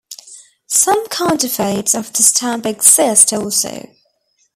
Some counterfeits of the stamp exist also.